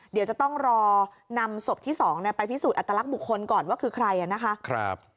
เดี๋ยวจะต้องรอนำศพที่๒ไปพิสูจนอัตลักษณ์บุคคลก่อนว่าคือใครนะคะ